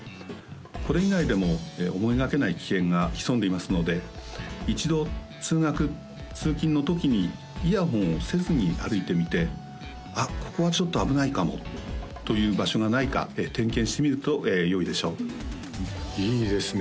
これ以外でも思いがけない危険が潜んでいますので一度通学通勤のときにイヤホンをせずに歩いてみて「あっここはちょっと危ないかも」という場所がないか点検してみるとよいでしょういいですね